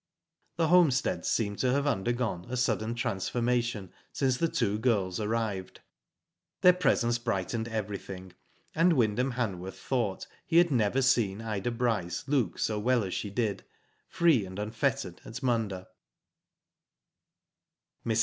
The homestead seemed to have under gone a sudden transformation since the two girls arrived. Their presence brightened everything, and Wyndham Hanworth thought he had never seen Ida Bryce look so well as she did, free and unfettered at Munda. Mrs.